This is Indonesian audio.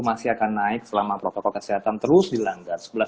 masih akan naik selama protokol kesehatan terus dilanggar